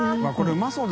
うまそう。